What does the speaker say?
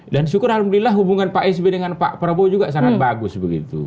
dan syukur alhamdulillah hubungan pak esby dengan pak prabowo juga sangat bagus begitu